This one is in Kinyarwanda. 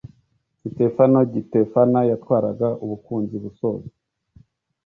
sitefano gitefana yatwaraga ubukunzi-busozo